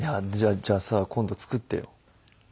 じゃあさ今度作ってよ。